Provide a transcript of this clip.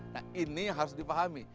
nah ini harus dipahami